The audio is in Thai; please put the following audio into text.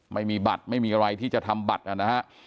ไม่มีบัตรไม่มีอะไรที่จะทำบัตรนะฮะ